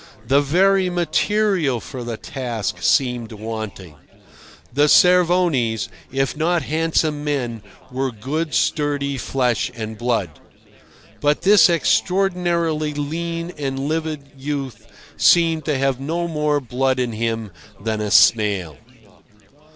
The very material for the task seemed wanting. The Cervonis, if not handsome men, were good sturdy flesh and blood. But this extraordinarily lean and livid youth seemed to have no more blood in him than a snail.